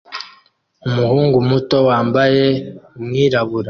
Umuhungu muto wambaye umwirabura